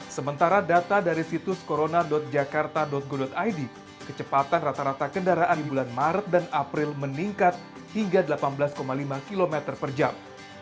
sementara data dari situs corona jakarta go id kecepatan rata rata kendaraan di bulan maret dan april meningkat hingga delapan belas lima km per jam